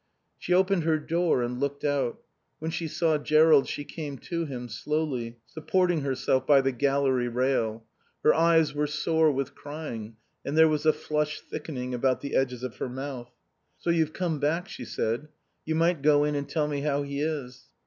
She opened her door and looked out. When she saw Jerrold she came to him, slowly, supporting herself by the gallery rail. Her eyes were sore with crying and there was a flushed thickening about the edges of her mouth. "So you've come back," she said. "You might go in and tell me how he is."